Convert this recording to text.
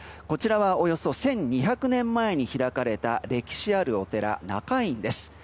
こちらはおよそ１２００年前に開かれた歴史あるお寺中院です。